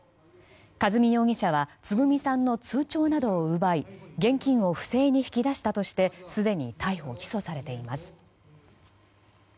和美容疑者はつぐみさんの通帳などを奪い現金を不正に引き出したとしてすでに逮捕・起訴されています。